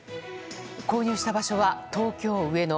購入した場所は東京・上野。